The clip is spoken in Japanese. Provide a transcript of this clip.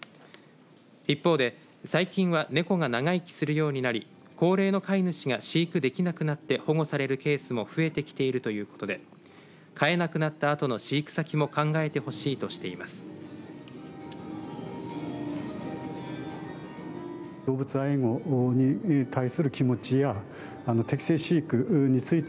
一方で、最近は猫が長生きするようになり高齢の飼い主が飼育できなくなって保護されるケースも増えてきているということで飼えなくなったあとの飼育先も考えてほしいとしています。